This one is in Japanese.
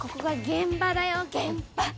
現場。